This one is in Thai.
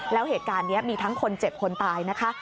แล้วเหตุการณ์นี้มีทั้งคนเจ็บคนตายนะคะ